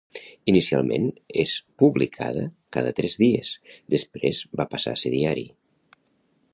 Inicialment es publicada cada tres dies, després va passar a ser diari.